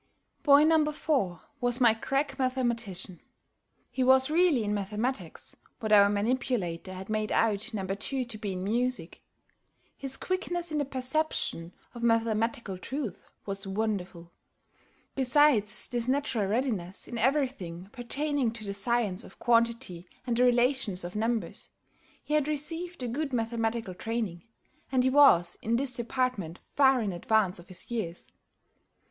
Boy No. 4 was my crack mathematician. He was really in mathematics what our manipulator had made out No. 2 to be in music. His quickness in the perception of mathematical truth was wonderful. Besides this natural readiness in everything pertaining to the science of quantity and the relations of numbers, he had received a good mathematical training, and he was in this department far in advance of his years.